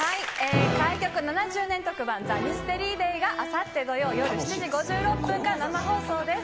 開局７０年特番、ＴＨＥＭＹＳＴＥＲＹＤＡＹがあさって土曜夜７時５６分から生放送です。